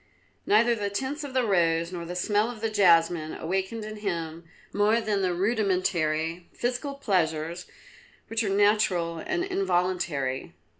Neither the tints of the rose nor the smell of the jasmine awakened in him more than the rudimentary physical pleasures which are natural and involuntary.